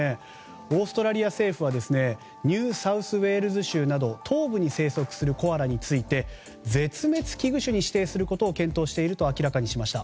オーストラリア政府はニューサウスウェールズ州など東部に生息するコアラについて絶滅危惧種に指定することを検討していると明らかにしました。